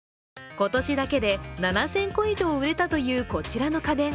今年だけで７０００個以上売れたという、こちらの家電。